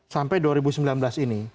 sampai dua ribu sembilan belas ini